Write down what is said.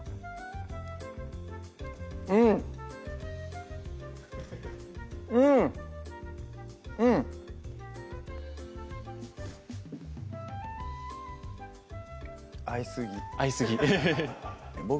うんうんうん合いすぎ合いすぎ僕